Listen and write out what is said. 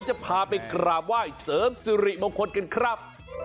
จะพาไปกราบไหว้เสริมสิริมงคลกันครับ